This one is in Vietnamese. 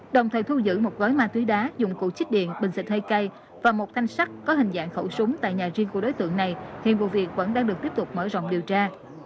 đồng thời thu giữ một gói ma túy đá dụng cụ chích điện bình xịt hơi cay và một thanh sắt có hình dạng khẩu súng tại nhà riêng của đối tượng này hiện vụ việc vẫn đang được tiếp tục mở rộng điều tra